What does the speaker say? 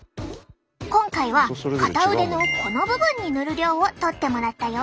今回は片腕のこの部分に塗る量を取ってもらったよ。